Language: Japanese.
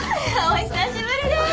お久しぶりです。